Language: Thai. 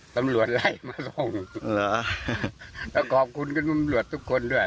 สำหรับอะไรมาส่งหรอแล้วกรอบคุณกับสำหรับทุกคนด้วย